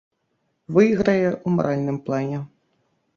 Выйграе ў маральным плане.